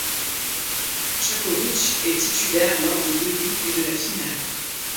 Čapkovič est titulaire lors des demi et de la finale.